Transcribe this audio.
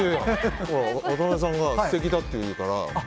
渡辺さんが素敵だって言うから。